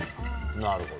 なるほど。